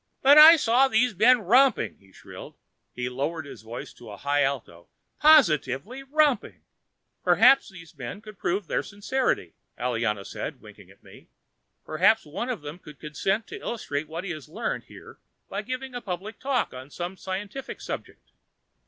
"But I saw these men romping," he shrilled. He lowered his voice to a high alto. "Positively romping!" "Perhaps these men could prove their sincerity," Aliana said, winking at me. "Perhaps one of them would consent to illustrate what he has learned here by giving a public talk on some scientific subject."